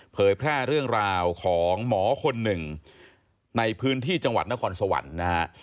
เผยแพร่เรื่องราวของหมอคนหนึ่งในพื้นที่จังหวัดนครสวรรค์นะฮะ